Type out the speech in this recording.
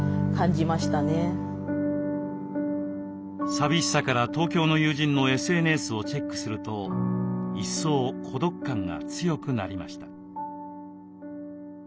寂しさから東京の友人のＳＮＳをチェックすると一層孤独感が強くなりました。